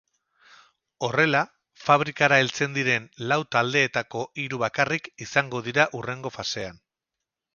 Horrela, fabrikara heltzen diren lau taldeetako hiru bakarrik izango dira hurrengo fasean.